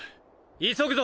急ぐぞ！